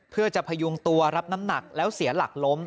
เพื่อจะพยุงตัวรับน้ำหนักแล้วเสียหลักล้ม